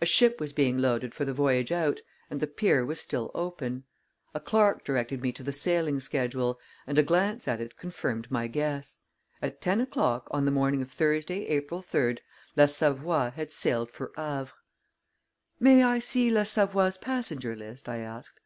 A ship was being loaded for the voyage out, and the pier was still open. A clerk directed me to the sailing schedule, and a glance at it confirmed my guess. At ten o'clock on the morning of Thursday, April 3d, La Savoie had sailed for Havre. "May I see La Savoie's passenger list?" I asked.